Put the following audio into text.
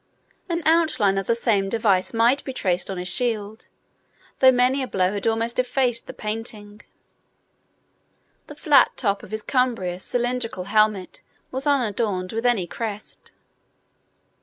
An outline of the same device might be traced on his shield, though many a blow had almost effaced the painting. The flat top of his cumbrous cylindrical helmet was unadorned with any crest.